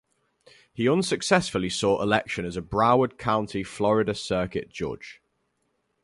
He unsuccessfully sought election as a Broward County, Florida circuit judge.